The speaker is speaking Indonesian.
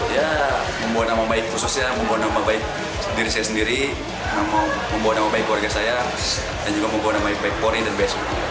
ya membuat nama baik khususnya membuat nama baik diri saya sendiri membuat nama baik keluarga saya dan juga membuat nama baik pony dan bes